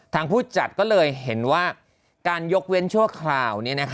ผู้จัดก็เลยเห็นว่าการยกเว้นชั่วคราว